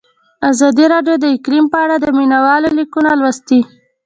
ازادي راډیو د اقلیم په اړه د مینه والو لیکونه لوستي.